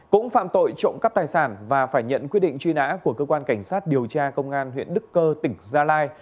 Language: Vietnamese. cũng phạm tội trộm cắp tài sản và phải nhận quyết định truy nã của cơ quan cảnh sát điều tra công an huyện đức cơ tỉnh gia lai